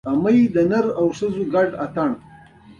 ایا ستاسو غږ به نیول کیږي؟